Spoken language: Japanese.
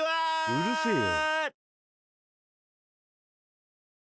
うるせえよ。